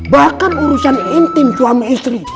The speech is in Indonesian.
bahkan urusan intim suami istri